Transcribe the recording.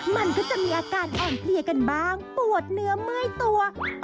มันก็จะมีอาการอ่อนเพลียกันบ้างปวดเนื้อเมื่อยตัว